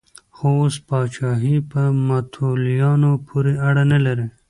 خو اوس پاچاهي په متولیانو پورې اړه نه لري.